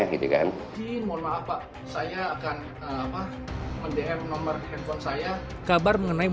jadi mohon maaf pak saya akan mendiam nomor handphone saya